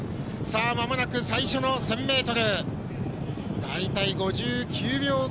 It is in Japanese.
まもなく最初の１０００ｍ。